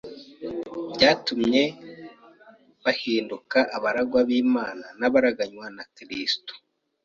bwatumye bahinduka abaragwa b’Imana n’abaragwana na Kristo,